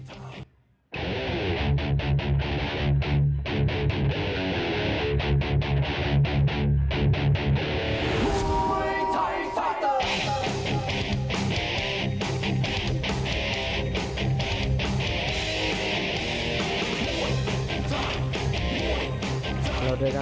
สวัสดิ์นุ่มสตึกชัยโลธสวิทธิ์